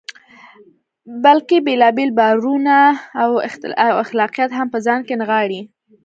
بلکې بېلابېل باورونه او اخلاقیات هم په ځان کې نغاړي.